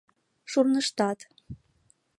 Шурныштат